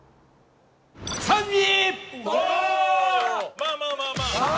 まあまあまあまあ。